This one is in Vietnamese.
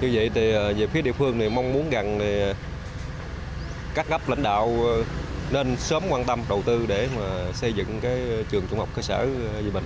như vậy thì phía địa phương mong muốn gần các gấp lãnh đạo nên sớm quan tâm đầu tư để xây dựng trường trung học cơ sở vị bình